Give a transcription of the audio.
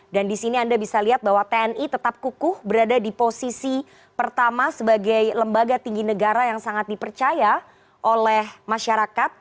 dan di sini anda bisa lihat bahwa tni tetap kukuh berada di posisi pertama sebagai lembaga tinggi negara yang sangat dipercaya oleh masyarakat